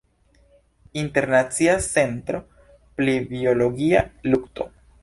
Internacia Centro pri Biologia lukto.